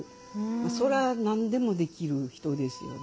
それは何でもできる人ですよね。